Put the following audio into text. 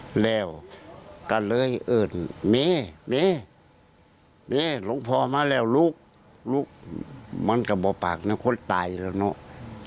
แล้วก็เลยเอิญนี่นี่นี่หลงพอมาแล้วลุกลุกมันกระบบปากนั้นคนตายแล้วเนาะ